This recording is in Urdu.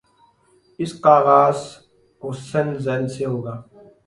اس کا آغاز حسن ظن سے ہو گا۔